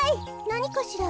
なにかしら？